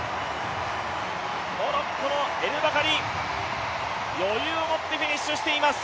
モロッコのエルバカリ、余裕を持ってフィニッシュしています。